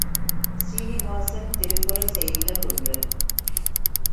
சீனிவாசன் திருக்குறள் செய்திகள் ஒன்று.